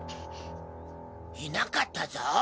いなかったぞ！